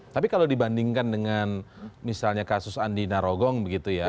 tapi kalau dibandingkan dengan misalnya kasus andi narogong begitu ya